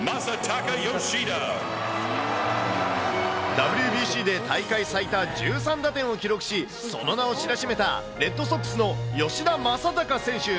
ＷＢＣで大会最多１３打点を記録し、その名を知らしめた、レッドソックスの吉田正尚選手。